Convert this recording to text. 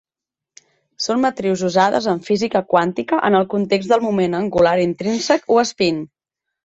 Són matrius usades en física quàntica en el context del moment angular intrínsec o espín.